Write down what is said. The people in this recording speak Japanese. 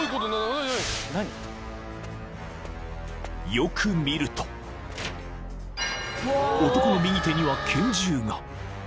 ［よく見ると男の右手には拳銃が］